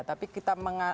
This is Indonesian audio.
tapi kita menga